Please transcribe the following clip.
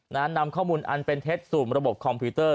นำข้อมูลอันเป็นเท็จสู่ระบบคอมพิวเตอร์